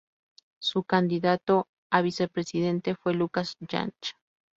Su candidato a vicepresidente fue Lucas Llach.